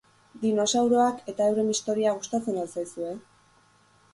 Dinosauroak eta euren historia gustatzen al zaizue?